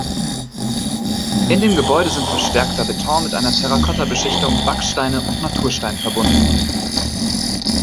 In dem Gebäude sind verstärkter Beton mit einer Terrakottabeschichtung, Backsteine und Naturstein verbunden.